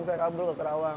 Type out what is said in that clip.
saya kabur ke kerawang